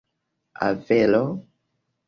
Avelo?